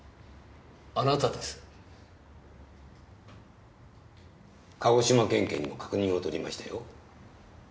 あなたです鹿児島県警にも確認を取りましたよ